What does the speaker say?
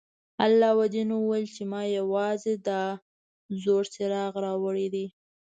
علاوالدین وویل چې ما یوازې دا زوړ څراغ راوړی دی.